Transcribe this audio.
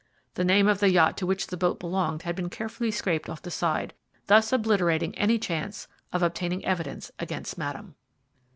The name of the yacht to which the boat belonged had been carefully scraped off the side, thus obliterating any chance of obtaining evidence against Madame.